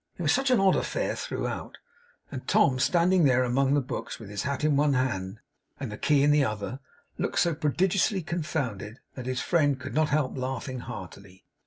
It was such an odd affair throughout, and Tom standing there among the books with his hat in one hand and the key in the other, looked so prodigiously confounded, that his friend could not help laughing heartily.